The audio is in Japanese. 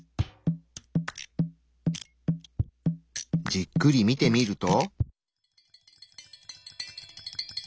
じっくり見てみると。